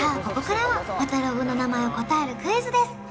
ここからはまたロゴの名前を答えるクイズです